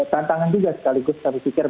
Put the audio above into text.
tantangan juga sekaligus kami pikir